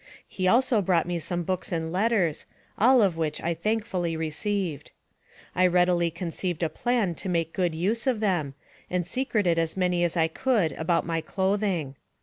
He also brought me some books and letters, all of which I thankfully received. I readily conceived a plan to make good use of them, and secreted as many as I could about my clothing.